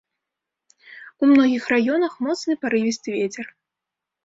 У многіх раёнах моцны парывісты вецер.